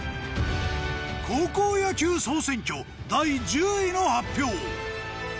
高校野球総選挙第１０位の発表。